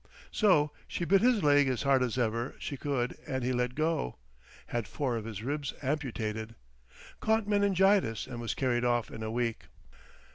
"So she bit his leg as hard as ever she could and he let go."... "Had four of his ribs amputated."... "Caught meningitis and was carried off in a week."